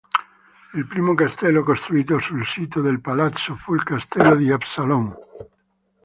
Il primo castello costruito sul sito del palazzo, fu il castello di Absalon.